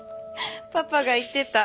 パパが言ってた。